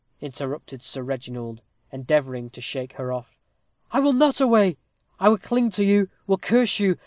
interrupted Sir Reginald, endeavoring to shake her off. "I will not away! I will cling to you will curse you.